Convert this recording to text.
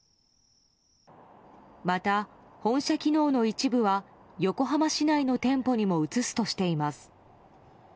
また、本社機能の一部は横浜市内の店舗にも移すとしています。